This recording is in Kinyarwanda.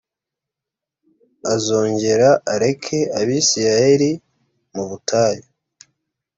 azongera areke abisirayeli mu butayu